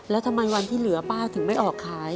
แล้วทำไมวันที่เหลือป้าถึงไม่ออกขาย